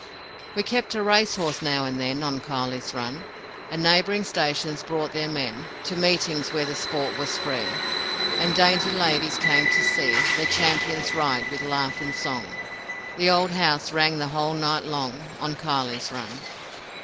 We kept a racehorse now and then On Kiley's Run, And neighb'ring stations brought their men To meetings where the sport was free, And dainty ladies came to see Their champions ride; with laugh and song The old house rang the whole night long On Kiley's Run.